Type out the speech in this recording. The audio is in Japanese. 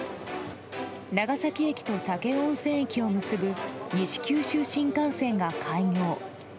長崎駅と武雄温泉駅を結ぶ西九州新幹線が開業。